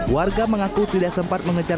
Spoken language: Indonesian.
warga mengaku tidak sempat mengejar